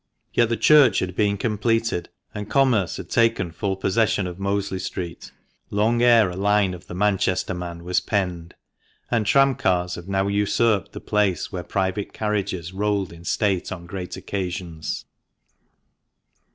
Yet the church had been completed, and commerce had taken full possession of Mosley Street long ere a line of the " Manchester Man " was penned, and tram cars have now usurped the place where private carriages rolled in state on great occasions.